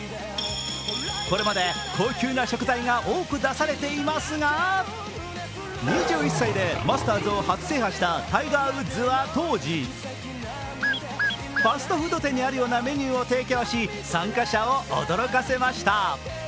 これまで高級な食材が多く出されていますが、２１歳でマスターズを初制覇したタイガー・ウッズは当時、ファストフード店にあるようなメニューを提供し、参加者を驚かせました。